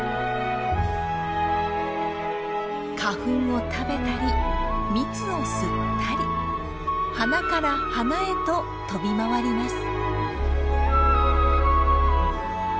花粉を食べたり蜜を吸ったり花から花へと飛び回ります。